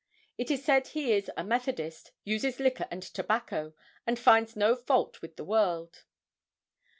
It is said he "is a Methodist, uses liquor and tobacco, and finds no fault with the world."